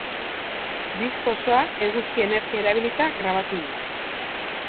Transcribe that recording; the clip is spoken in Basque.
Disko osoa eguzki-energia erabilita grabatu du.